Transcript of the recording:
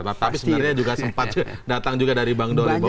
tapi sebenarnya juga sempat datang juga dari bang doli bahwa